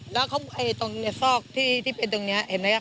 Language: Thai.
แล้วเขาตรงเนี้ยซอกที่ที่เป็นตรงเนี้ยเห็นไหมค่ะ